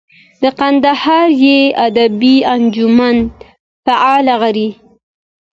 د کندهاري ادبي انجمن فعال غړی.